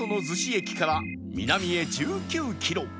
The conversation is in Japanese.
駅から南へ１９キロ